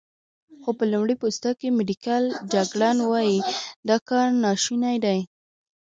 خو په لمړی پوسته کې، میډیکل جګړن وايي، دا کار ناشونی دی.